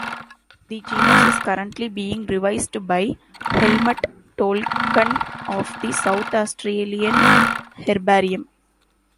The genus is currently being revised by Helmut Toelken of the South Australian Herbarium.